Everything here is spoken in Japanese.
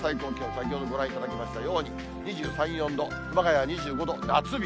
先ほどご覧いただきましたように、２３、４度、熊谷２５度、夏日。